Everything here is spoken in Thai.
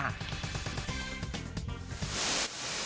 แปลงให้หน่อยค่ะ